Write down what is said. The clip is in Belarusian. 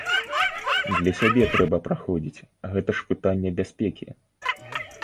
Для сябе трэба праходзіць, гэта ж пытанне бяспекі.